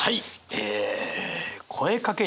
え。